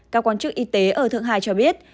các quan chức y tế ở thượng hai cho biết